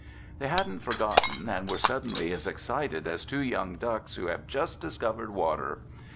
They hadn't forgotten and were suddenly as excited as two young ducks who have just discovered water.